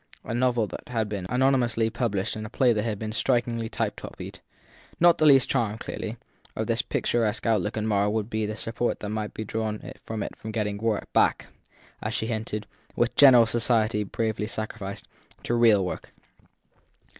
a novel that had been anonymously published and a play that had been strikingly type copied. Not the least charm, clearly, of this picturesque outlook at Marr would be the support that might be drawn from it for getting back, as she hinted, with general society 7 bravely sacrificed, to real work.